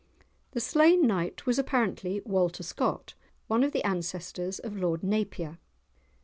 The slain knight was apparently Walter Scott, one of the ancestors of Lord Napier.